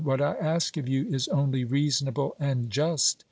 What I ask of you is only reasonable and just.